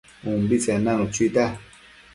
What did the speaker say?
ubitsen nanu chuita